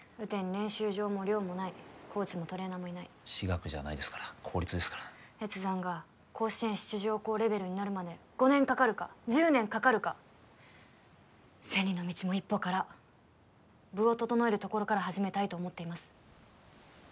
練習場も寮もないコーチもトレーナーもいない私学じゃないですから公立ですから越山が甲子園出場校レベルになるまで５年かかるか１０年かかるか千里の道も一歩から部を整えるところから始めたいと思っています